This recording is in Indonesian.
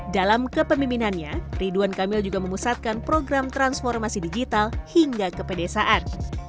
dalam kepemimpinannya ridwan kamil juga memusatkan program transformasi digital hingga ke pedesaan